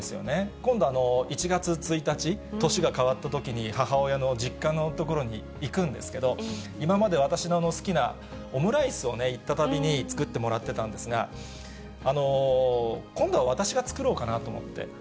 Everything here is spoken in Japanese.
今度、１月１日、年が変わったときに、母親の実家のところに行くんですけど、今まで私の好きなオムライスをね、行ったたびに作ってもらってたんですが、今度は私が作ろうかなと思って。